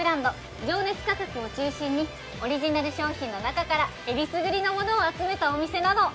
「情熱価格」を中心にオリジナル商品の中からえりすぐりのものを集めたお店なの！